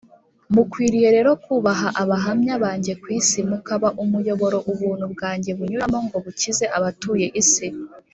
mukwiriye rero kuba abahamya banjye ku isi, mukaba umuyoboro ubuntu bwanjye bunyuramo ngo bukize abatuye isi